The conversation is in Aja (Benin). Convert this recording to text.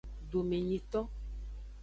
Domenyito.